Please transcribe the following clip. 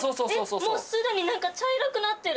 えっもうすでに何か茶色くなってる。